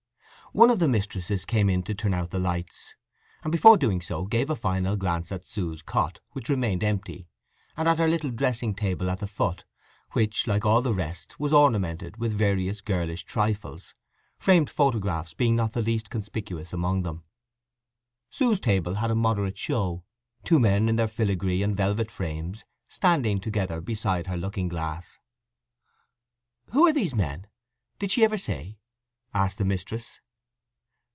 One of the mistresses came in to turn out the lights, and before doing so gave a final glance at Sue's cot, which remained empty, and at her little dressing table at the foot, which, like all the rest, was ornamented with various girlish trifles, framed photographs being not the least conspicuous among them. Sue's table had a moderate show, two men in their filigree and velvet frames standing together beside her looking glass. "Who are these men—did she ever say?" asked the mistress.